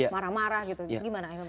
marah marah gitu gimana